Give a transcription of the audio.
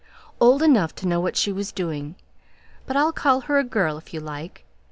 "Old enough to know what she was doing; but I'll call her a girl if you like.